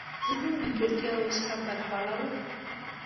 زموږ ملګرتیا اوس هم برحاله وه.